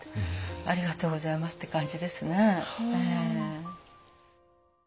ありがとうございますって感じですね。